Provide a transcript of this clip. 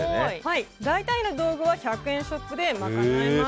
大体の道具は１００円ショップで賄えます。